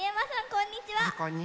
こんにちは。